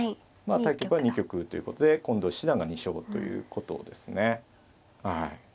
対局は２局ということで近藤七段が２勝ということですね。